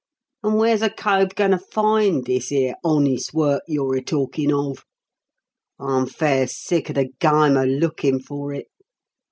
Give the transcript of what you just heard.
And where's a cove goin' to find this 'ere 'honest work' you're a talkin' of? I'm fair sick of the gime of lookin' for it.